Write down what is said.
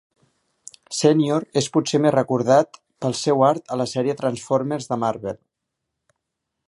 Senior és potser més recordat pel seu art a la sèrie Transformers de Marvel.